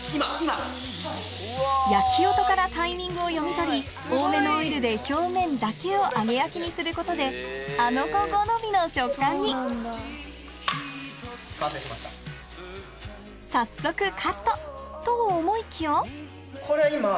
焼き音からタイミングを読み取り多めのオイルで表面だけを揚げ焼きにすることでアノ娘好みの食感に早速カットと思いきやこれ今。